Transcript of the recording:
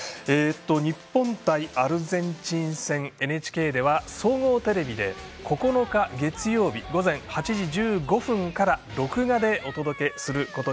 日本対アルゼンチン戦ＮＨＫでは総合テレビで９日月曜日午前８時１５分から録画でお届けします。